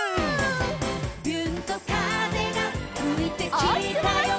「びゅーんと風がふいてきたよ」